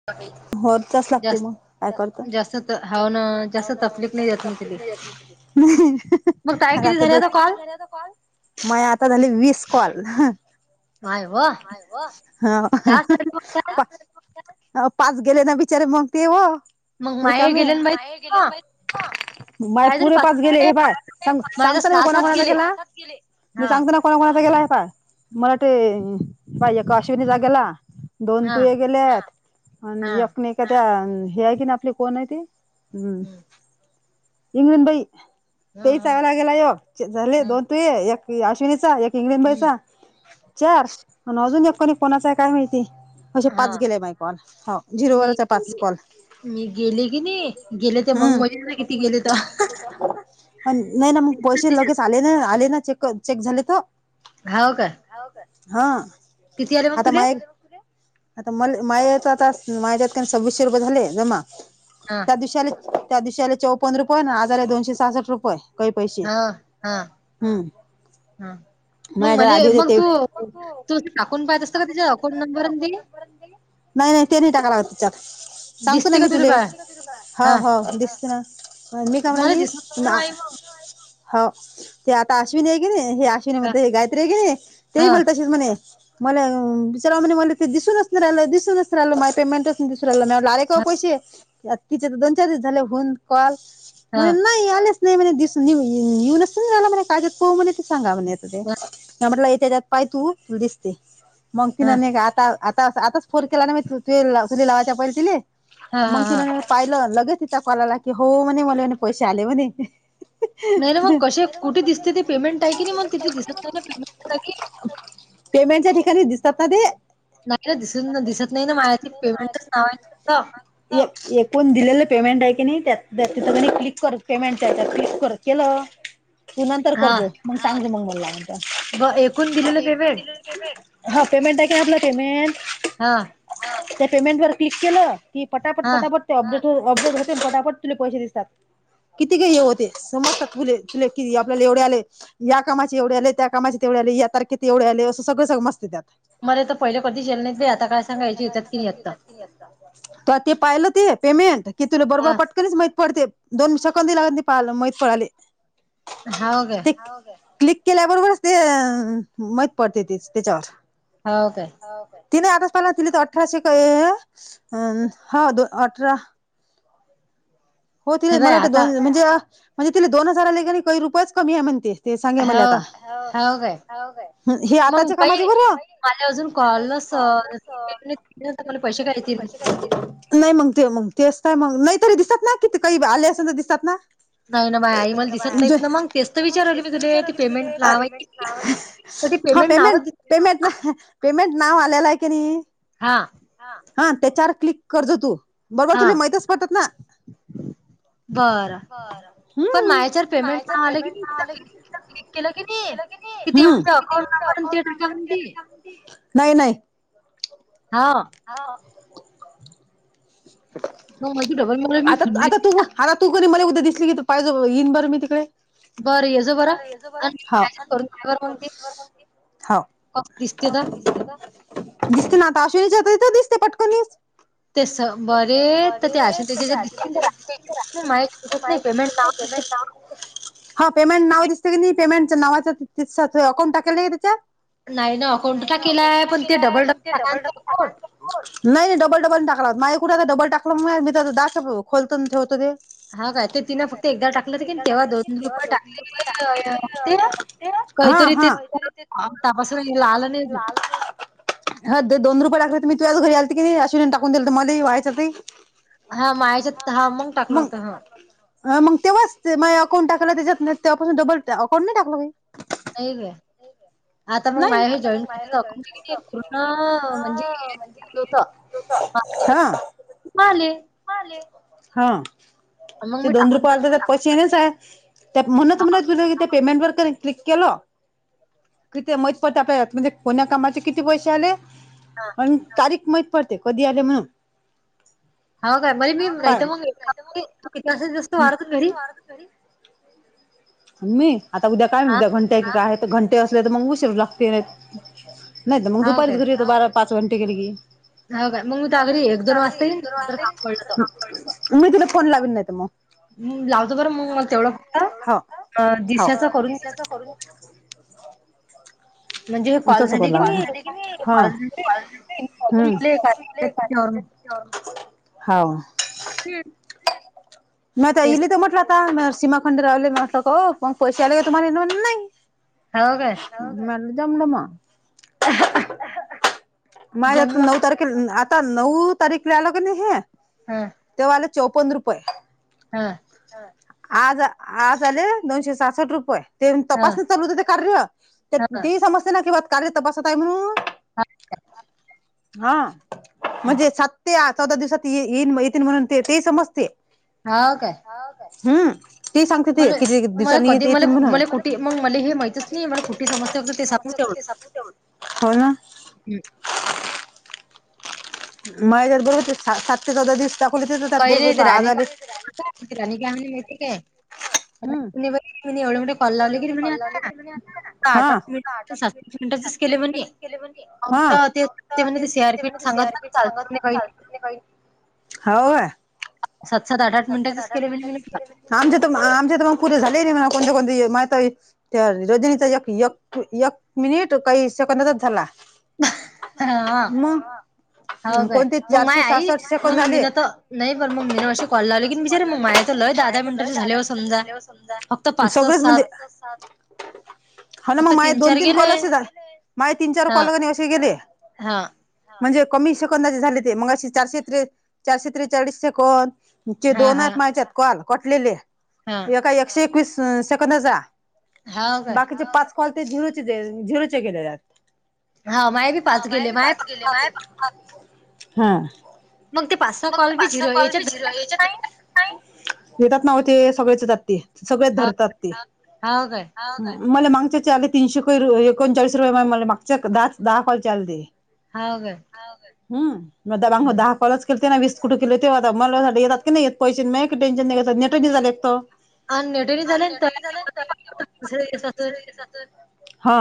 [inaudible] हो... तसं लागतं मग... काय करता? [unintelligible] [unintelligible] काय केली... झाला का कॉल? म्हये... आता झाले वीस कॉल... हं माय व्ह... हा... [unintelligible] आ... पाच गेले ना बिचारे... मग ते वो... रिकामे... म... महये ही गेले ना बाई [unintelligible] माहे पुरे पाच गेले... हे पाय... सांग... सांगतो ना मी... कोणा कोणाला गेला [unintelligible] मी सांगतो ना? कोणा कोणाला गेला होता... मला ते बाई... एक अश्विनीला गेला दोन तूये गेलेत... हां. आणि एक... एक नई का त्या... ह्या... हे हाई की नई आपले... कोण ए ते? हम्म. इंगळीन बाई... तेही चांगला गेला... ह्यो... झाले दोन तूये एक अश्विनीचा... एक इंगळीन बाईचा. चार... अन अजून एक कोणी कोणाचा हाय काय माहिती... असे पाच गेले म्हये हो... झिरो वरच ए... पाच कॉल [unintelligible] हं [unintelligible] पण नई ना... मग पैसे लगेच... आले ना... आले ना.. चेक... चेक... झाले का? हाव का? हाव का... हां... आता माह्ये... आता मले माया तर आता माझ्यात काय सव्वीसशे रुपये झाले जमा हां त्या दिवशी आले त्या दिवशी आले चौपन रुपये ना आज आले दोनशे सासष्ट रुपये काय पैसे हं माया जवळ आधी हो तूं टाकून पाहत असतं का तिचा अकाउंट नंबर अन् ते नाही नाय ते टाकाव लागत त्याच्यात सांगतो ना मी तुले हां हो दिसते ना मी काय म्हणू रायली. हो ते आता अश्विनी आहे की नाही हे अश्विनी म्हणतो हे गायत्री आहे की नाही तेही मला तशीच म्हणे मला विचारा म्हणे मला ते दिसूनच नाय राहिलं दिसूनच नाय राहिलं माझ पेमेंटच दुसऱ्याला [unintelligible] आले का हो पैसे? अ तिचे तर दोन चार दिस झाले होऊन कॉल म्हण नाही आलेच नाही म्हणे दिसू न येऊनच नाही राहिले म्हणे का्शात पहू म्हणे ते सांगा म्हणे येत ते म्हटल याच्या याच्यात पाय तू दिसतय मग तिनं नाय का आता आताच आताच फोन केला ना मी तुले लावायच्या पहिले तिले मग तिन पाहिलं लगेच तिचा कॉल आला की हो म्हणे मला म्हणे पैसे आले म्हणे नाही ना मग कशे कुठे दिसते ते पेमेंट आहे की नाही मग तिथे दिसत नाही पेमेंटच्या जागी पेमेंटच्या ठिकाणी दिसतात ना ते नाही ना दिसून दिसत नाही ना माझ्या पेमेंटच नाव आहे फक्त एकूण दिलेलं पेमेंट आहे की नाही त्यात त्या ठिकाणी क्लिक कर पेमेंटच्या याच्यात क्लिक कर केलं तू नंतर करजो मग सांग [unintelligible] मला ब एकूून दिलेलं पेमेंट हा पेमेंट आहे का आपलं पेमेंट हां त्या पेमेंट वर क्लिक केलं की, पटापट पटापट ट अपडेट अपडेट होत पटापट तुले पैसे दिसतात. किती केले होतेस समजतात तुले तुले किती आपल्याला एवढे आले या कामाचे एवढे आले त्या कामाचे तेवढे आले या तारखे ते एवढे आले असं सगळं समजतं त्यात मले तर पहिले कधीच येल नाही, बी आता काय? आता काय सांगावं येतील का त्यात ते.. ता ते पाहिलं ते पेमेंट कि तुला बरोबर पटकनच माहीत पडते दोन सेकंद लागत नही माहित मी पडाले हां गे क्लिक केल्याबरोबरच ते महीत पडते ते तेच्यावर हो काय? ति ने आताच पाहिला तिने तर अठराशे का हां हो दो अठरा हो तिला वाटं दोन म्हणजे म्हजे तिला दोन हजाराला आणि काही रुपयाच कमी आहे म्हणते. ते सांगे मले आता, हे आताच्या कामाचे बर माझे अजून कॉल स [unintelligible] पैसे काय येतील नाही मग ते मग ते असतय मग नाहीतरी दिसतात ना किती काही आले असेल तर दिसतात ना? [unintelligible] हो ना माय दिसत नाय मंग तेच तर विचारू राहिले मी तुले हा पेमेंट पेमेंट पेमेंट नाव आलेलय की नई हा हा त्याच्यावर क्लिक करजो तू बरोबर तुला महितच पटत ना बर पण माया याच्यावर पेमेंट आलं की [unintelligible] केलं की नई? कि ते आमचं अकाउंट नंबर अन् ते [unintelligible] नाही नाही हा.. हा मंग माझी डबल आता आता तू तू कणी मला उद्या दिसली पाय बरं येईन बर मी तिकडे पाय येजा बर, हां [unintelligible] हो दिसते ना? दिसते ना आता अश्विनीच्या दिसते पटकनीच ते स बरे तर ते अस त्या मासत नाही पेमेंट हा पेमेंट नाव दिसते की नाही पेमेंट नावाच अकाउंट टाकायला त्याचा नाही ना अकाउंट टा केला आहे पण ते डबल डबल टाकायच अकाउंट नाही नाही डबल डबल टाकला माझ कुठे आता डबल टाकलं मग मी दास खोलतो ठेवतो ते हा काय ते तिनं फक्त एकदा टाकलं दे तेव्हा दोन टाकले ते हा हातरी ते समज लाल ह दोन रुपये टाकले मी तुझज घरी आल की अशवििन टाकूनल तर मलाही व्हायचं ते हा माझ्याच्यात मग अ मग तेव्हाच ते माझ अकाउंट टाकायला त्याच्यात तेवपासून डबल अकाउंट नाही टाकलं नाही हे आता मग माझ्या हे जॉईन कराय अकाउंट पूर्ण म्हणजे होत मागचे कदीचे नाही आले हा ते दोन रुपये आ तर पशी येनेच आहे म्हणूनच तुु पेमेंट वर क्लिक केलं किती मैपल्या म्हणजे कोणा कामाचे किती पैसे आले पण तारीख माहीत पडते कधी आले म्हणून मग वात खरी मी आता उद्या काय म्हग द्या घंट्या काय तर घंटे असल्या तर मग उशीर लागते नाही नाहीत मग दुपारीच घरी येतो बारा पाच घंटे गेले की मी तिला फोन लावन नाहीत मग लावतो बरं मग मग तेवढं फक् दिशाच करून घच म्हणजे हे कॉल झाले कि नाही कॉल झा का हम्मग ते काडुन घैथलेह मी आता इईली तर म्हटलं आता म सीमाखंड रावले म्हटलं का पग पैसे आले तुम्हाला म्ह नाही हो का म जमलं म माझ्यात नऊतार आता नऊ तारीखला आल की नाही हे तेवा्हाले चौपन्न रुपये हा आज आज आले दोनशे सासष्ट रुपये ते तपास चालू होतं ते कार्य ते समस्या ना कि ब कार्य तपासात आहे म्हणून अाछा हा म्हणजे सात ते चौदा दिवसात ये येईन येतील म्हणून ते ते समजते होा काय हम्म ते सांगते ते किती दिवसांनी येत येतील म्हणा मग मला हे माहितच नाही मला कुठे समस्या होतं ते सांग तेवढं कत हो ना मय जर बोलते सातशे चौदा दिस चकलीेत त्यात बर आजार हम कह सी आरपीट सांगतचालत हवोय सात सात आठ आठ मिनटचेच केले म्हनट आमच्या तर आमच्या तर मग प पुरे झाले नाही म कोणते कोणते माह त्या रोजनीचा एक एक एक मिनिट काही सेकंदचाच झाला मग हा काय मग माय आई मग मीन तर नाही बर मग मीन अशी मग म कॉल लाव मग मा लय दहा-दहा मिनटाचे झाले समजा सगळेच म्हणजे अस हॅलो, मग माझ दोन-तीन कॉल अस झा माझे तीन-चार कॉल असे गेले. म्हणजे कमी सेकंदाचे झाले ते मग अशी चारशेे, चारशे त्रेचाळीस सेकंद. चे दोन आहेत माझ्यात कॉल कटलेले एका एकशे एकवीस सेकंदाचा. बाकीचे पाच कॉल ते झिरुचे, झिरुचे गेले जात. हा माझे बी पाच गेले माझ, ह. मग पाच-सहा कॉल बी झिरो याच्यात येतात नाव ते सगळेच जात ते सगळेच धरतात ते, हा हा हा. मला मागच्या आले तीनशे को एकोणचाळीस रुपये म मला मागच्या दहा-दहा काॅलचे आलेते. हो का हम मग दहा कॉलच केले ते ना वीस कुठं केले तेव्हाता मला येत नाहीेत पैसे टेनशन नाही नटनी झाले एको हा.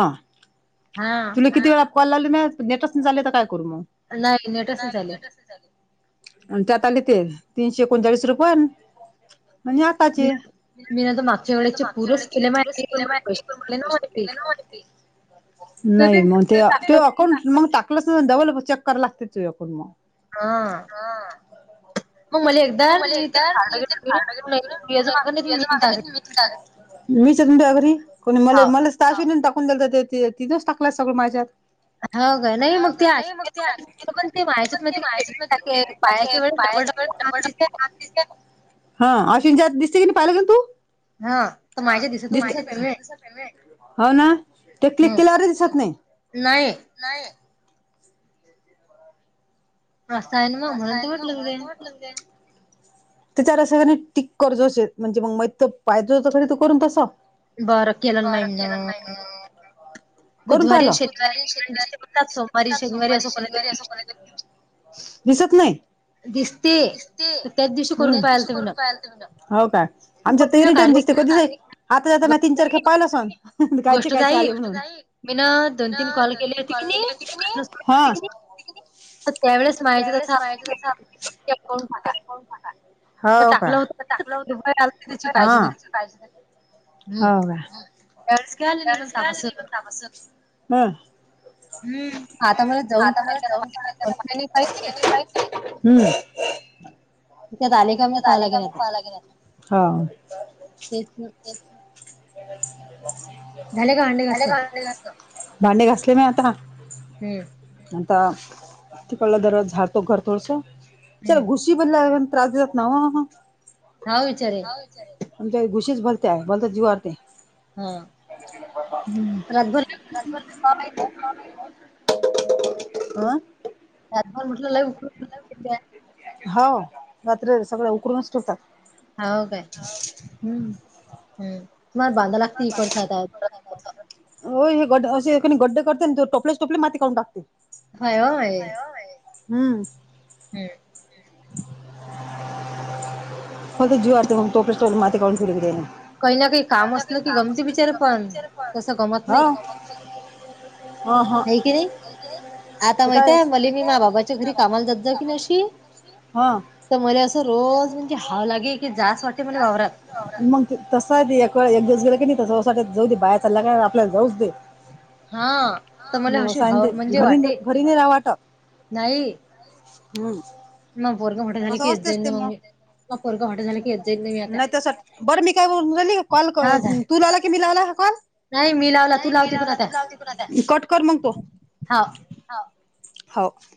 हा. किती वेळा कॉल लावले ना नेटच चाले तर काय करू मग नाही नेटच नाही चालत. आणि त्या आता आली ते तीनशे एकोणचाळीस रुपय, म्हणजे आताचे. मी ना तर मागच्या वेळे्याचे पुरेच केले मा ना माहिती. नाही मग ते तू अकाउंट मग टाकलंच डबल चेक कराय लागते अकाउंट मग. हा. मग मला एकदा मी तेे याच माग नाही त मिन टाक. मीच अ घरी कोणी मला, मला ताश टाकून दल तिथच टाकय सगळं माझ्यात. हो का नाही मग ते पण ते माय क हा अश्विन जत दिसते की नाही पाहिलं का तू? हा. [unintelligible] हो ना ते क्लिक केल्यावर दिसत नाही, नाही. असं आहे ना मग म्हणून ते म्हटलं तिथ. [inaudible] त्याच्यावर असं टिक्कर जो म्हणजे मग माै पाहिज खरी त करून तसा काॅलच केला नहीये. कोण पाहि, बुधवारी शनिवारीसते करतात सोमवारी शेनवारी असं करायच. दिसत नाही? दिसते. दिसते ते दिवशी करून पाहाला. हो काय? आमच्या तर एरी टाम दिसते क आता-जाता न तीन-चार खेप पाहिला सग कायचे कायचे आले म्हणून. मी ना दोन-तीन कॉल केले होती की नाही कॉ होती की नाही. त्यावेळेस माझ तस अकाउंटला अकाउंटला हो का? हा हो का? हम्. आता मला जाऊन पयच आ हम्म. त्यात आले त्यात आले का मगेल, हा हा. [unintelligible] भांडी घासले नाही आता? आता तिकडला दर झालतो घर थोडसं चल घुशी बनला त्रास नाही आहे मग नाही विचार आमच्या गुशीच भलते, भलत जीवारते. हा रातभर अं? रातभर म्हणलं लय उकडतंय त्या हो रात्री सगळ उकडुनच ठेवतात? हो मंग काय. हम्म. हम. तुमार बाांधा लागती इ करसाता हो हे गड असे गड्डे करतेय ते टोपल्याच टोपले माती करून टाकते. [unintelligible] होय अय. हम्म. हम्म. हो ते जीर ते मग टोपल्याचे टोपले माती काढून ठेवली त्यांनी. [unintelligible] काही काम असतं कीती बचार पळते. हो. [unintelligible] हे की नाही? आता माहितय मले मी मा बाबाच्या घरी कामाला जात जाऊ की नाहीशी. हा. तर मला असं रोज म्हणजे हव लागेल की जास्त वाटे म्हणे वावरात. [unintelligible] मग तस आहे एक दिवस गेला की नाही त जाऊ दे बाहेर चालला का आपल्याला जाऊच दे. मग सांते घरी घरी नाही राहा वाट. हम्म. मग बोरग मोठे झालं की करते मग. मा पुरग मोठ झाल की नाही तस. बरं मी का बोलून रायली कॉल तू लावला की मी लावला हा कॉल? [unintelligible] नाही मला लवला. नाही मी लावला. तू लाव तिकुण आता. कट कर मग तो. हाव. हाव हाव.